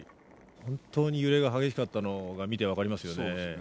本当に揺れが激しかったのが見て分かりますよね。